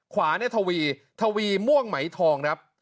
ขวาเนี่ยทวีทวีม่วงไหมทองครับ